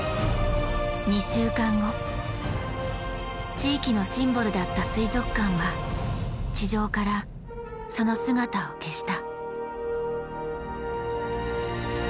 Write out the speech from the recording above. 地域のシンボルだった水族館は地上からその姿を消した。